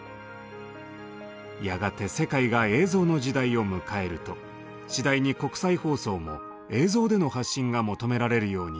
やがて世界が映像の時代を迎えると次第に国際放送も映像での発信が求められるようになります。